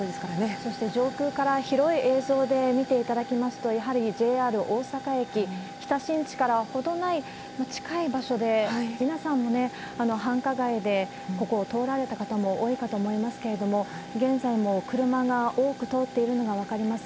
そして上空から広い映像で見ていただきますと、やはりＪＲ大阪駅、北新地から程ない、近い場所で、皆さんも繁華街でここを通られた方も多いかと思いますけれども、現在も車が多く通っているのが分かります。